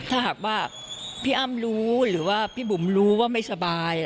ถ้าหากว่าพี่อ้ำรู้หรือว่าพี่บุ๋มรู้ว่าไม่สบาย